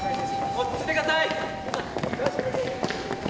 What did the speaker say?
落ち着いてください！